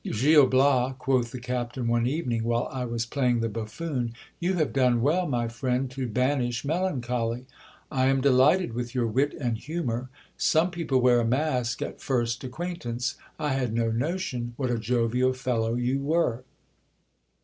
Gil Bias, quoth the captain one evening, while I was playing the buffoon, you have done well, my friend, to banish melancholy. I am de lighted with your wit and humour. Some people wear a mask at first acquaint ance ; I had no notion what a jovial fellow you were.